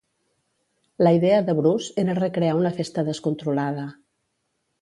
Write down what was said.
La idea de Bruce era recrear una festa descontrolada.